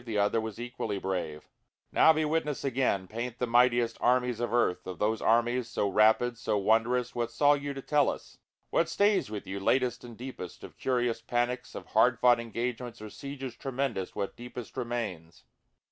the other was equally brave;) Now be witness again, paint the mightiest armies of earth, Of those armies so rapid so wondrous what saw you to tell us? What stays with you latest and deepest? of curious panics, Of hard fought engagements or sieges tremendous what deepest remains?